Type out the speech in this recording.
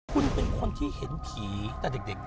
คุณเป็นคนที่เห็นผีแต่เด็ก